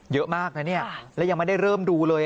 เยอะมากนะเนี่ยแล้วยังไม่ได้เริ่มดูเลย